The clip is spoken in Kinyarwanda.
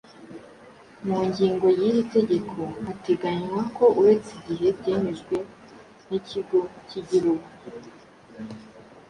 Mu ngingo yiri tegeko hateganywa ko uretse igihe byemejwe n’Ikigo k’Igihugu